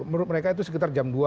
menurut mereka itu sekitar jam dua